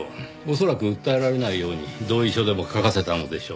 恐らく訴えられないように同意書でも書かせたのでしょうね。